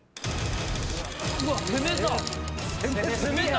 うわっ攻めた！